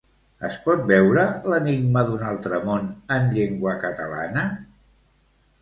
Es pot veure "L'enigma d'un altre món" en llengua catalana?